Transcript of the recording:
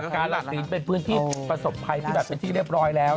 กราชนิดเป็นพื้นที่ประสบภัยที่แบบเป็นที่เรียบร้อยแล้ว